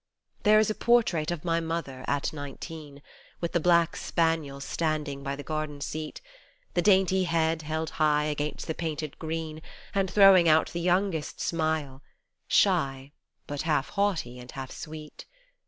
There is a portrait of my mother, at nineteen, With the black spaniel, standing by the garden seat, The dainty head held high against the painted green And throwing out the youngest smile, shy, but half haughty and half sweet.